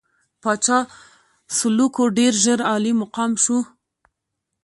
پاچا سلوکو ډېر ژر عالي مقام شو.